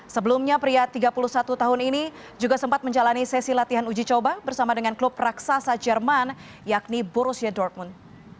sebelumnya pria tiga puluh satu tahun ini juga sempat menjalani sesi latihan uji coba bersama dengan klub raksasa jerman yakni borussia dortmund